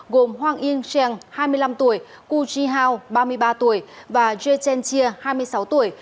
gồm hoàng yên seng hai mươi năm tuổi cu chi hao ba mươi ba tuổi và jue chen chia hai mươi sáu tuổi